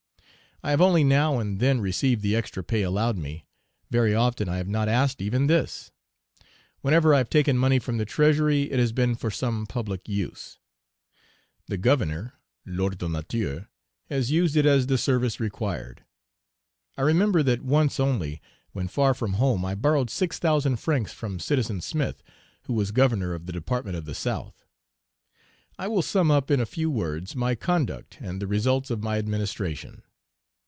I have only now and then received the extra pay allowed me; very often I have not asked even this. Whenever I have taken money from the treasury, it has been for some public use; the governor (l'ordonnateur) Page 323 has used it as the service required. I remember that once only, when far from home, I borrowed six thousand francs from Citizen Smith, who was governor of the Department of the South. I will sum up, in a few words, my conduct and the results of my administration.